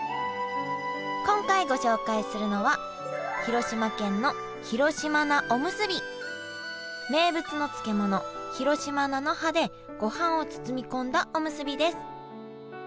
今回ご紹介するのは名物の漬物広島菜の葉でごはんを包み込んだおむすびです。